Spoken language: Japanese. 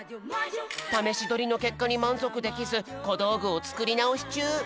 ためしどりのけっかにまんぞくできずこどうぐをつくりなおしちゅう。